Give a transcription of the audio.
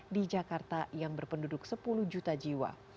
di jakarta yang berpenduduk sepuluh juta jiwa